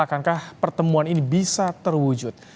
akankah pertemuan ini bisa terwujud